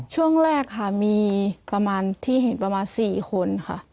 ช่วงแรกค่ะมีประมาณที่เห็นประมาณ๔คนค่ะ